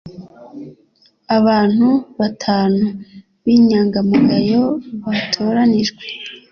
Abantu batanu b inyangamugayo batoranijwe